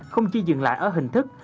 không chỉ dừng lại ở hình thức